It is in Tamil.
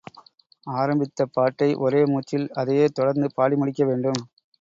ஆரம்பித்தப் பாட்டை ஒரே மூச்சில், அதையே தொடர்ந்து பாடி முடிக்க வேண்டும்.